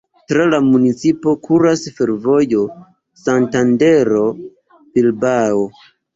Tra la municipo kuras fervojo Santandero-Bilbao.